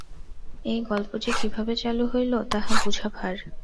এই গল্প যে কিভাবে চালু হইল, তাহা বুঝা ভার।